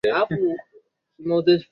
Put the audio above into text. Maambukizi kwenye kuta na milango ya moyo